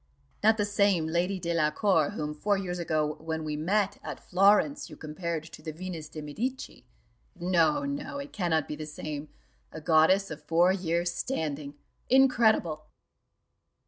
Not the same Lady Delacour whom four years ago, when we met at Florence, you compared to the Venus de Medici no, no, it cannot be the same a goddess of four years' standing! Incredible!"